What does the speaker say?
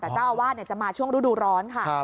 แต่เจ้าอาวาสจะมาช่วงฤดูร้อนค่ะ